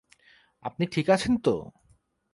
আপনি ঠিক আছেন তো?